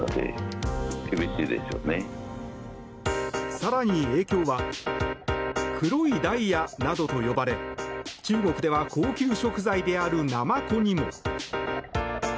更に影響は黒いダイヤなどと呼ばれ中国では高級食材であるナマコにも。